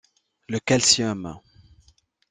Le calcium!